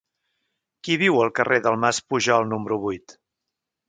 Qui viu al carrer del Mas Pujol número vuit?